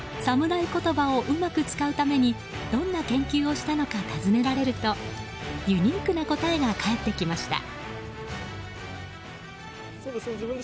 言葉をうまく使うためにどんな研究をしたのか尋ねられるとユニークな答えが返ってきました。